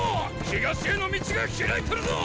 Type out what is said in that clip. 東への道が開いてるぞォ！